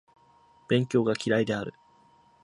勉強が嫌いである